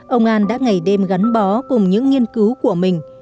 ông an đã ngày đêm gắn bó cùng những nghiên cứu của mình